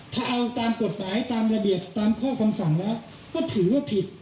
ถ้าเอาตามกฎหมายตามระเบียบตามข้อคำสั่งแล้วก็ถือว่าผิด